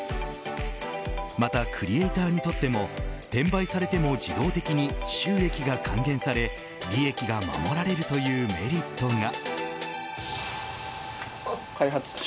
また、クリエイターにとっても転売されても自動的に収益が還元され利益が守られるというメリットが。